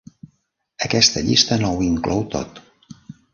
Aquesta llista no ho inclou tot.